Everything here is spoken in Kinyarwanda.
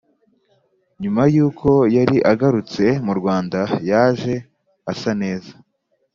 nyuma yuko yari agarutse mu rwanda yaje asa neza